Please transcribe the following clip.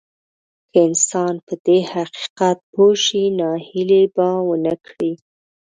که انسان په دې حقيقت پوه شي ناهيلي به ونه کړي.